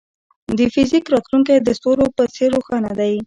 د فزیک راتلونکی د ستورو په څېر روښانه دی.